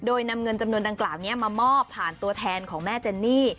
โดยนำเงินจำนวนดังกล่าวนี้มามอบผ่านตัวแทนของแม่เจนนี่